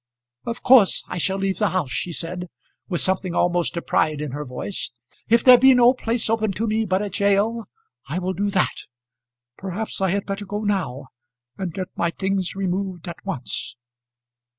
"Of course I shall leave the house," she said, with something almost of pride in her voice. "If there be no place open to me but a gaol I will do that. Perhaps I had better go now and get my things removed at once.